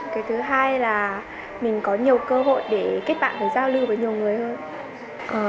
cái thứ hai là mình có nhiều cơ hội để kết bạn và giao lưu với nhiều người hơn